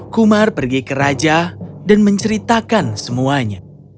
kumar pergi ke raja dan menceritakan semuanya